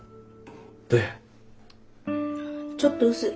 ちょっと薄い。